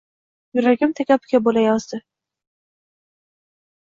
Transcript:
Yuragim taka–puka bo`layozdi